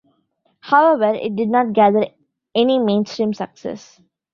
However, it did not gather any mainstream success.